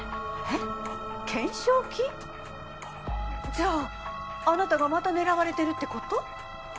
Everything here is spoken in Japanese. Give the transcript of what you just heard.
え懸賞金？じゃああなたがまた狙われてるってこと？